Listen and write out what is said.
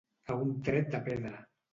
A un tret de pedra.